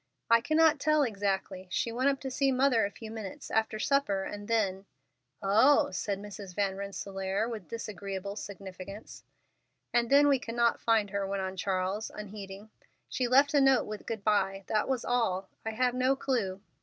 "I cannot tell exactly. She went up to see Mother a few minutes after supper, and then——" "Oh!" said Mrs. Van Rensselaer, with disagreeable significance. "And then we could not find her," went on Charles, unheeding. "She left a note with good by. That was all. I have no clue."